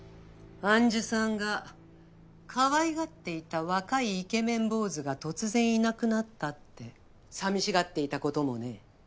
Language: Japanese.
庵主さんがかわいがっていた若いイケメン坊主が突然いなくなったってさみしがっていたこともね。